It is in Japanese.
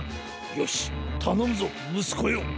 よしたのむぞむすこよ！